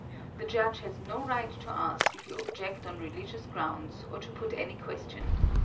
The judge has no right to ask if you object on religious grounds, or to put any question.